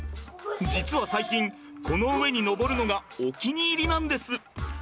実は最近この上に登るのがお気に入りなんです。